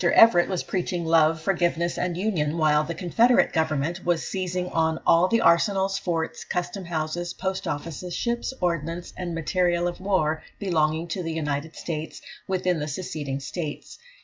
Everett was preaching love, forgiveness, and union, while the Confederate Government was seizing on "all the arsenals, forts, custom houses, post offices, ships, ordnance, and material of war belonging to the United States, within the seceding States."